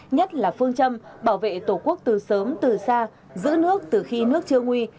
nhất là phương châm bảo vệ tổ quốc từ sớm từ xa giữ nước từ khi nước chưa nguy